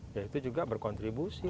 ya itu juga berkontribusi